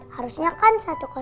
harusnya kan satu ratus sembilan